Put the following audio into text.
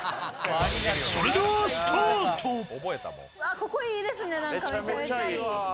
ここいいですね、めちゃめちゃいい。